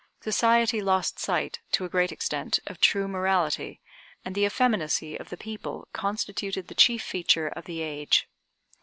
Society lost sight, to a great extent, of true morality, and the effeminacy of the people constituted the chief feature of the age.